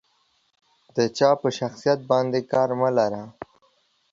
د جا په شخصيت باندې کار مه لره.